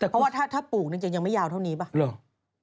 เพราะว่าถ้าปลูกนี่ยังไม่ยาวเท่านี้หรือเปล่า